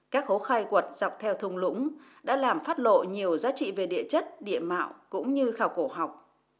các hố khai quật dọc theo thùng lũng đã làm phát lộ nhiều giá trị về địa chất địa mạo cũng như khảo cổ học